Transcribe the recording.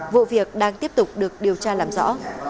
vụ việc đang tiếp tục được điều tra làm rõ